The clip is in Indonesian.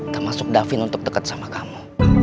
termasuk davin untuk dekat sama kamu